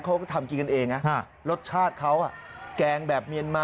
เขาก็ทำกินกันเองนะรสชาติเขาแกงแบบเมียนมา